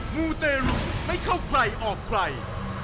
มูเตรุไม่เข้าใครออกใคร